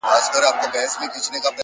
هوډ د نامعلومې لارې ملګری دی,